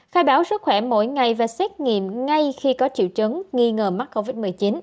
khai báo sức khỏe mỗi ngày và xét nghiệm ngay khi có triệu chứng nghi ngờ mắc covid một mươi chín